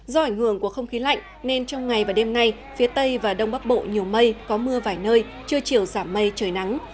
do ảnh hưởng của không khí lạnh nên trong ngày và đêm nay phía tây và đông bắc bộ nhiều mây có mưa vài nơi trưa chiều giảm mây trời nắng